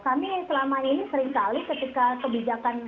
kami selama ini seringkali ketika kebijakan